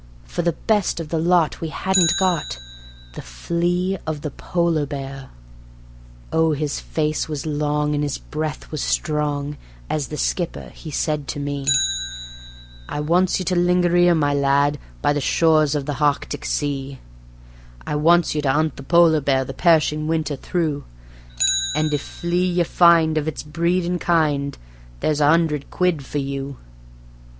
For the best of the lot we hadn't got the flea of the polar bear. Oh, his face was long and his breath was strong, as the Skipper he says to me: "I wants you to linger 'ere, my lad, by the shores of the Hartic Sea; I wants you to 'unt the polar bear the perishin' winter through, And if flea ye find of its breed and kind, there's a 'undred quid for you."